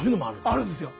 あるんですよ。